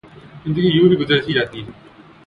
زندگی یوں بھی گزر ہی جاتی